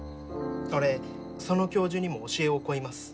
俺その教授にも教えを請います。